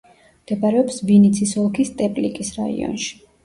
მდებარეობს ვინიცის ოლქის ტეპლიკის რაიონში.